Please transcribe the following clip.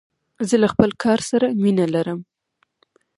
زه له خپل کار سره مینه لرم.